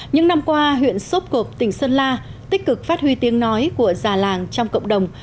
những năm qua huyện sốp cộp tỉnh sơn la tích cực phát huy tiếng nói của già làng trong cộng đồng